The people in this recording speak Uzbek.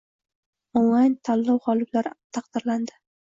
Onlayn tanlov g‘oliblari taqdirlandi